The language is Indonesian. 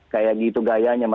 kayak gitu gayanya